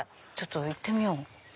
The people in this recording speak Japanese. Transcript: ちょっと行ってみよう。